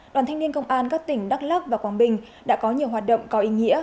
đoàn thanh niên công an các tỉnh đắk lắc và quảng bình đã có nhiều hoạt động có ý nghĩa